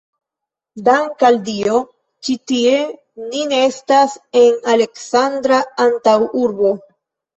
Dank' al Dio, ĉi tie ni ne estas en Aleksandra antaŭurbo!